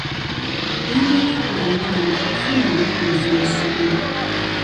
Ddembe lya buli mwana okufuna obuyigirize mu ssomero.